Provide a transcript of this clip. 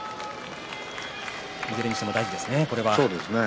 若いずれにしても大事ですね。